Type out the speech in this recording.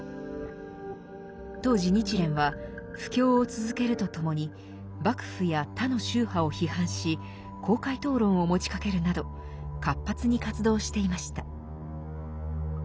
当時日蓮は布教を続けるとともに幕府や他の宗派を批判し公開討論を持ちかけるなど活発に活動していました。